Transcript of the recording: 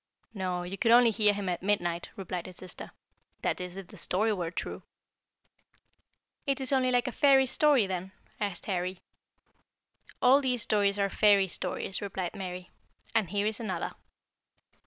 "No, you could only hear him at midnight," replied his sister "that is, if the story were true." "It is only like a fairy story, then?" asked Harry. "All these stories are fairy stories," replied Mary; "and here is another.